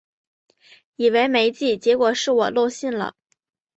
以为没寄，结果是我漏信了